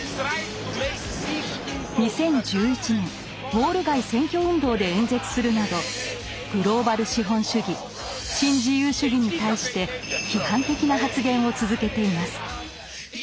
２０１１年ウォール街占拠運動で演説するなどグローバル資本主義新自由主義に対して批判的な発言を続けています。